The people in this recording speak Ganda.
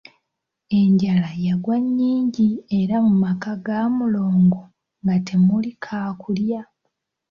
Enjala yagwa nnyingi era mu maka ga Mulongo nga temuli kaakulya.